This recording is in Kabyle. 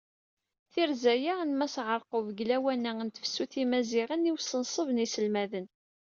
Tirza-a n Mass Ɛerqub deg lawan-a n tefsut n yimaziɣen i usenṣeb n yiselmaden.